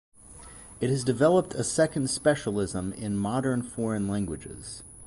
It has developed a second specialism in Modern Foreign Languages.